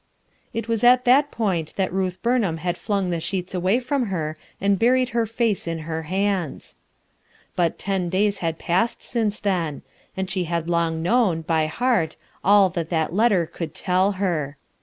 1 It was at that point that Ruth Burnham had flung the sheets away from her and buried her face in her hands. But ten days had passed since then, and she had long known, by heart, all that that letter could tell her.